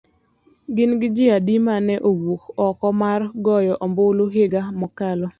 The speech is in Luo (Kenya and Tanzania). Gin ji adi ma ne owuok oko mar goyo ombulu higa mokalo.